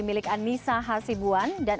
milik anissa hasibuan dan